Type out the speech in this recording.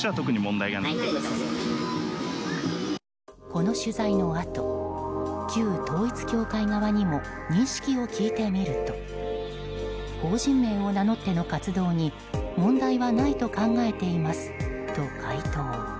この取材のあと旧統一教会側にも認識を聞いてみると法人名を名乗っての活動に問題はないと考えていますと回答。